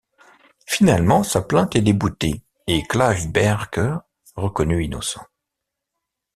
Finalement, sa plainte est déboutée et Clive Barker reconnu innocent.